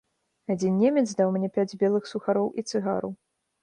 Адзін немец даў мне пяць белых сухароў і цыгару.